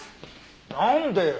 なんでよ。